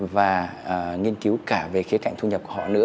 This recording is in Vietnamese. và nghiên cứu cả về khía cạnh thu nhập của họ nữa